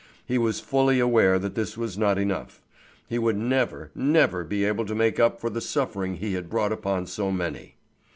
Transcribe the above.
He was fully aware that this was not enough. He would never, never be able to make up for the suffering he had brought upon so many.